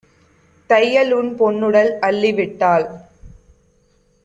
தையல்உன் பொன்னுடல் அள்ளிவிட்டாள்?"